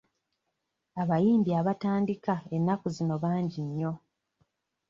Abayimbi abatandika ennaku zino bangi nnyo.